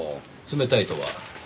冷たいとは？